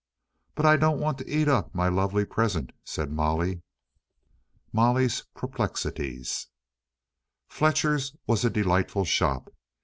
"But I don't want to eat up my lovely present," said Molly. Molly's Perplexities Fletcher's was a delightful shop.